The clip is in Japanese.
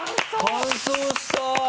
完走した。